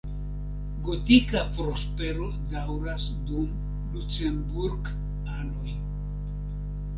Gotika prospero daŭras dum Lucemburk-anoj.